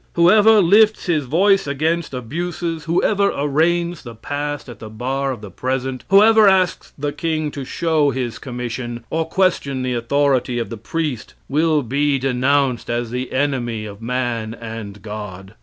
Whoever lifts his voice against abuses, whoever arraigns the past at the bar of the present, whoever asks the king to show his commission, or question the authority of the priest, will be denounced as the enemy of man and God.